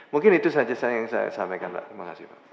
mungkin itu saja yang saya sampaikan pak terima kasih pak